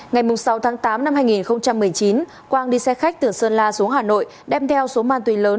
ngày sáu tháng tám năm hai nghìn một mươi chín quang đi xe khách từ sơn la xuống hà nội đem theo số ma túy lớn